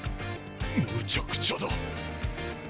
むちゃくちゃだ。